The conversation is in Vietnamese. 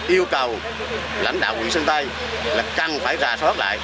yêu cầu lãnh đạo quỹ sân tây là cần phải giả soát lại